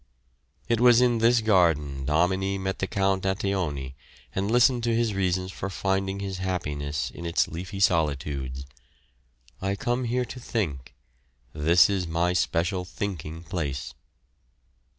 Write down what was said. It was in this garden Domini met the Count Anteoni and listened to his reasons for finding his happiness in its leafy solitudes: "I come here to think; this is my special thinking place."